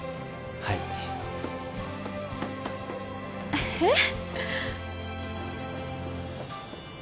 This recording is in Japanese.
はいえっ？